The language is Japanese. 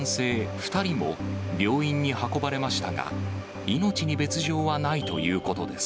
２人も病院に運ばれましたが、命に別状はないということです。